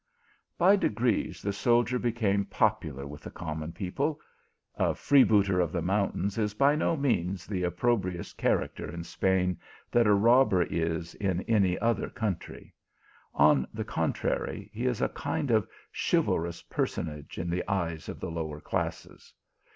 By degrees, the soldier became popular with the common people. A freebooter of the mountains is by no means the opprobrious character in Spain that a robber is in any other country ; on the contrary, he is a kind of chivalrous personage in the eyes of the lower classes.